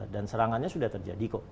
dan serangannya sudah terjadi kok